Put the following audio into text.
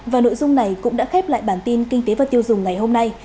và nội dung này cũng đã khép lại bản tin kinh tế và tiêu dùng ngày hôm nay